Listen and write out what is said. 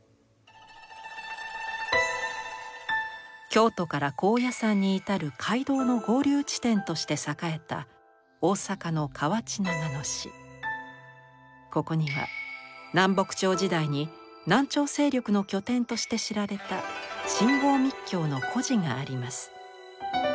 京都から高野山に至る街道の合流地点として栄えたここには南北朝時代に南朝勢力の拠点として知られた真言密教の古寺があります。